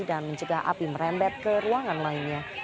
dan mencegah api merembet ke ruangan lainnya